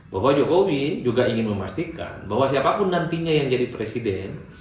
bahwa jokowi juga ingin memastikan bahwa siapapun nantinya yang jadi presiden